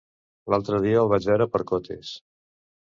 L'altre dia el vaig veure per Cotes.